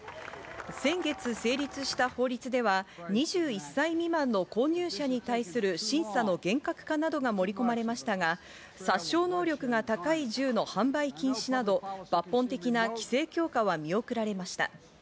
先月成立した法律では、２１歳未満の購入者に対する審査の厳格化などが盛り込まれましたが、殺傷能力が高い銃の販売禁止など、抜本的な規制強化は見送られました。